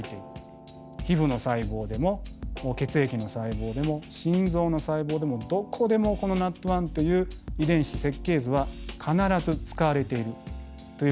皮ふの細胞でも血液の細胞でも心臓の細胞でもどこでもこのＮＡＴ１という遺伝子設計図は必ず使われているということが分かりました。